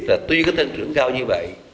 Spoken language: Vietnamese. và tuy có tăng trưởng cao như vậy